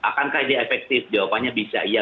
akankah ini efektif jawabannya bisa iya